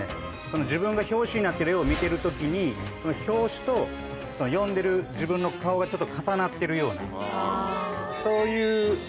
その自分が表紙になっている絵を見てる時にその表紙と読んでる自分の顔が重なってるようなそういう。